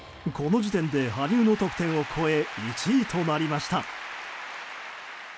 この時点で羽生の得点を超え１位となりました。